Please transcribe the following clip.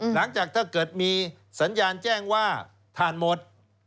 หลังจากถ้าเกิดมีสัญญาณแจ้งว่าทานหมด